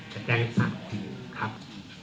จะแจ้งสร้างคุณครับ